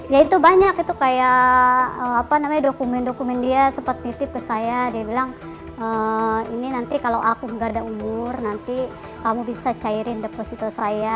ya itu banyak itu kayak apa namanya dokumen dokumen dia sempat nitip ke saya dia bilang ini nanti kalau aku nggak ada umur nanti kamu bisa cairin deposito saya